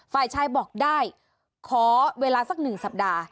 ฝ่ายชายบอกได้ขอเวลาสักหนึ่งสัปดาห์